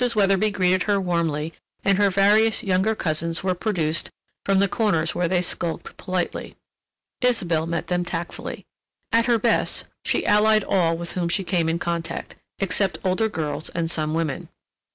Weatherby greeted her warmly and her various younger cousins were produced from the corners where they skulked politely. Isabelle met them tactfully. At her best she allied all with whom she came in contact—except older girls and some women.